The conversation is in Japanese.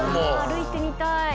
歩いてみたい。